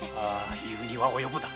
言うには及ぶだ。